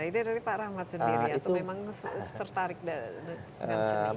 ide dari pak rahmat sendiri atau memang tertarik dengan seni